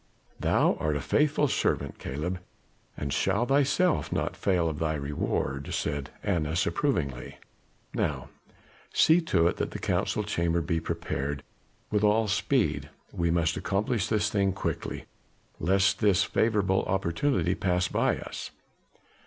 "Thou art a faithful servant, Caleb, and shall thyself not fail of thy reward," said Annas approvingly. "Now see to it that the Council Chamber be prepared with all speed; we must accomplish the thing quickly, lest this favorable opportunity pass by us.